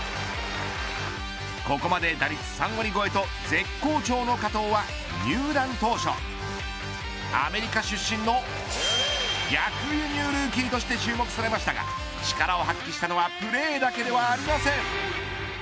ここまで打率３割超えと絶好調の加藤は入団当初アメリカ出身の逆輸入ルーキーとして注目されましたが力を発揮したのはプレーだけではありません。